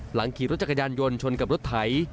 หลังขี่รถจักรยานยนต์ชนกับรถไถ